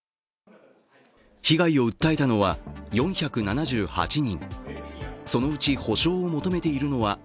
被害を訴えたのは４７８人。